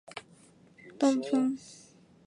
东六乡是东京都大田区的町名。